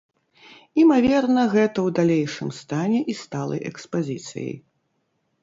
Імаверна гэта ў далейшым стане і сталай экспазіцыяй.